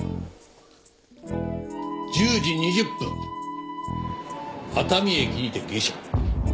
１０時２０分熱海駅にて下車。